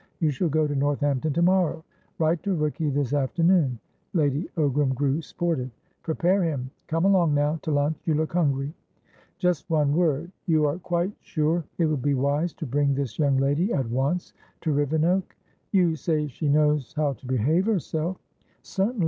You shall go to Northampton to morrow. Write to Rooky this afternoon." Lady Ogram grew sportive. "Prepare him. Come along, now, to lunch; you look hungry." "Just one word. You are quite sure it will be wise to bring this young lady at once to Rivenoak?" "You say she knows how to behave herself!" "Certainly.